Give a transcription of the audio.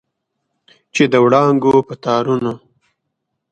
چې د وړانګو په تارونو